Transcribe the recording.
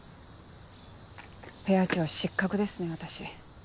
ペア長失格ですね私。